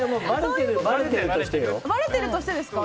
ばれてるとしてよ。